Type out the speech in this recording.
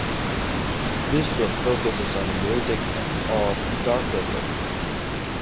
This book focuses on the music of Darkover.